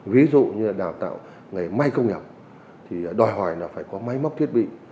ví dụ như là đào tạo nghề may công nghiệp thì đòi hỏi là phải có máy móc thiết bị